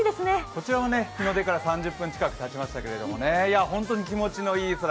こちらは日の出から３０分近くたちましたから本当に気持ちのいい空